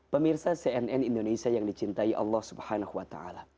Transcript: pemirsa cnn indonesia yang dicintai allah swt